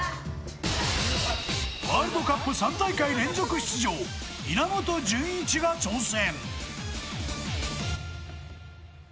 ワールドカップ３大会連続出場、稲本潤一が挑戦。